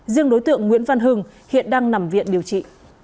riêng đối tượng nguyễn văn hưng hiện đang nằm viện điều trị